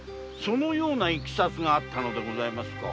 そのようないきさつがあったのでございますか。